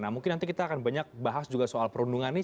nah mungkin nanti kita akan banyak bahas juga soal perundungan ini